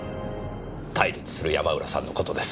対立する山浦さんの事です。